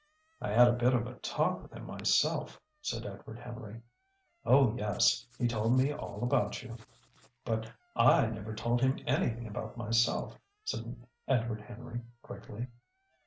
"I had a bit of talk with him myself," said Edward Henry. "Oh, yes! He told me all about you." "But I never told him anything about myself," said Edward Henry quickly.